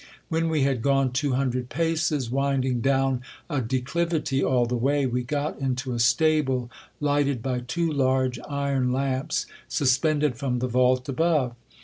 When we had gone two hundred paces, winding down a declivity all the way, we got into a stable lighted by two large iron lamps suspended from the vault above.